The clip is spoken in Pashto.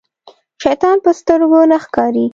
شيطان په سترګو نه ښکاري.